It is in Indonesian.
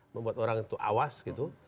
membuat orang itu awas gitu